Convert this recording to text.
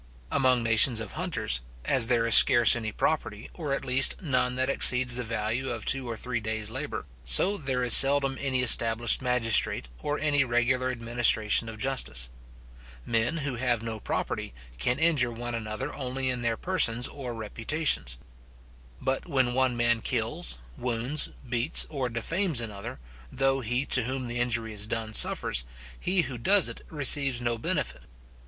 Among nations of hunters, as there is scarce any property, or at least none that exceeds the value of two or three days labour; so there is seldom any established magistrate, or any regular administration of justice. Men who have no property, can injure one another only in their persons or reputations. But when one man kills, wounds, beats, or defames another, though he to whom the injury is done suffers, he who does it receives no benefit.